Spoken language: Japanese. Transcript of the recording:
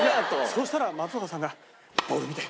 そしたら松岡さんが「ボール見て！